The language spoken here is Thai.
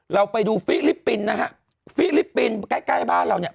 เราไปดูฟิลิปปินส์นะฮะฟิลิปปินส์ใกล้ใกล้บ้านเราเนี่ย